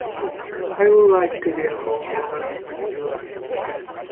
I would like to be a homeowner.